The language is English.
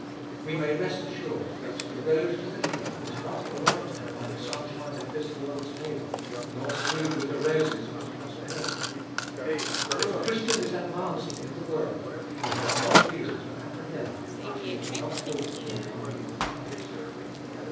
We may rest assured that the road to the kingdom is not enlightened by the sunshine of this world's favor, nor strewed with the roses of its prosperity. If a Christian is advancing in the world, he has much reason to apprehend that he is not walking in company with Christ.